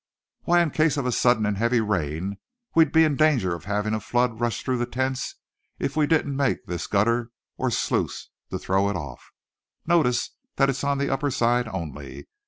"Why, in case of a sudden and heavy rain, we'd be in danger of having a flood rush through the tents if we didn't make this gutter or sluice to throw it off. Notice that it's on the upper side only.